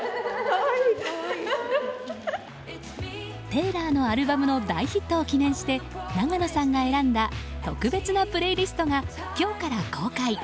テイラーのアルバムの大ヒットを記念して永野さんが選んだ、特別なプレイリストが今日から公開。